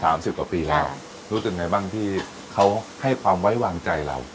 สิบกว่าปีแล้วรู้สึกไงบ้างที่เขาให้ความไว้วางใจเรา